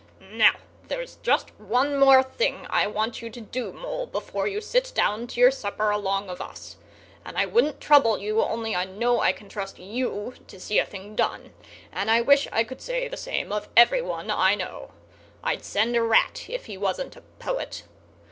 "Now, there's just one more thing I want you to do, Mole, before you sit down to your supper along of us; and I wouldn't trouble you only I know I can trust you to see a thing done, and I wish I could say the same of every one I know. I'd send Rat, if he wasn't a poet.